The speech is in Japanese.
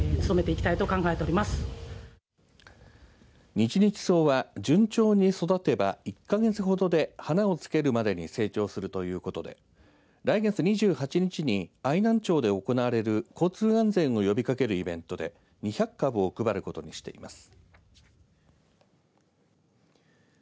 日々草は順調に育てば１か月ほどで花をつけるまでに成長するということで来月２８日に愛南町で行われる交通安全を呼びかけるイベントで２００株を配ることにしています。